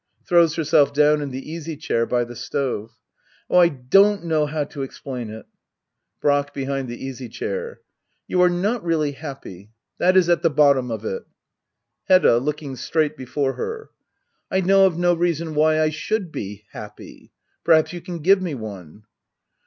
[Throws herself dofsn in the easy chair by the stove,] Oh, I don't know how to explain it. Brack. [Behind the easy chair,] You are not really happy — that is at the bottom of it. Hedda. [LooMng straight before her.] I know of no reason why I should be — happy. Perhaps you can give me one